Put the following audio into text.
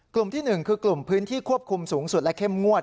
กลุ่มที่๑คือกลุ่มพื้นที่ควบคุมสูงสุดและเข้มงวด